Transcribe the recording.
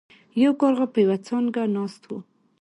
یو کارغه په یوه څانګه ناست و.